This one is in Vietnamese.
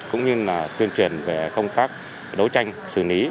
cũng như tuyên truyền về công tác đối tranh xử lý